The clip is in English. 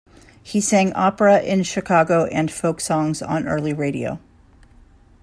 He sang opera in Chicago and folk songs on early radio.